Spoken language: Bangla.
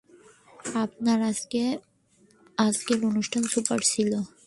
আপনার আজকের অনুষ্ঠান সুপার ছিলো!